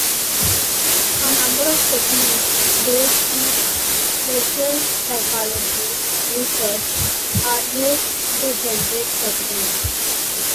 A number of techniques based in social psychological research are used to generate propaganda.